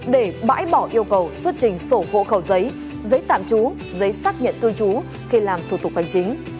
để bãi bỏ yêu cầu xuất trình sổ hộ khẩu giấy giấy tạm trú giấy xác nhận cư trú khi làm thủ tục hành chính